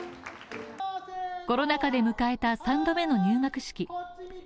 コロナ禍で迎えた３度目の入学式。